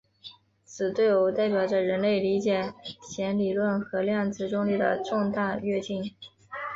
此对偶代表着人类理解弦理论和量子重力的重大跃进。